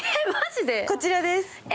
こちらです。